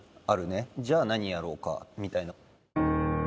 あるね、じゃあ何やろうかみたいな。